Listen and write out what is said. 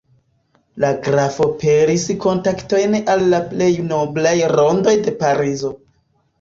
La grafo peris kontaktojn al la plej noblaj rondoj de Parizo.